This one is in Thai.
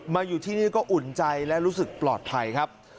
มาอยู่ที่นี่ก็อุ่นใจและรู้สึกปลอดภัยครับ